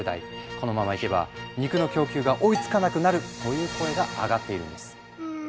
このままいけば肉の供給が追いつかなくなるという声が上がっているんです。